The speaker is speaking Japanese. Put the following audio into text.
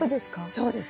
そうです。